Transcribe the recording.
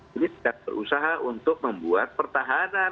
jadi kita berusaha untuk membuat pertahanan